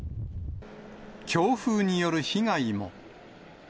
強風による被害も。